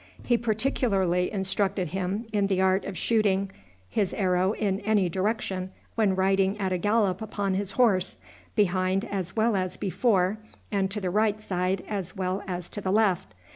He particularly instructed him in the art of shooting his arrow in any direction when riding at a gallop upon his horse, behind as well as before, and to the right side as well as to the left.